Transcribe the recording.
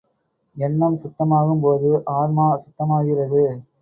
எண்ணம் சுத்தமாகும் போது, ஆன்மா சுத்தமாகிறது.